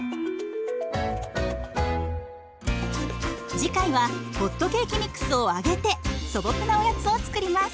次回はホットケーキミックスを揚げて素朴なおやつを作ります。